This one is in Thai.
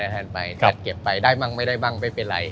แทนไปจัดเก็บไปได้บ้างไม่ได้บ้างไม่เป็นไร